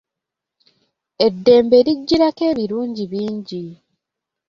Eddembe lijjirako ebirungi bingi.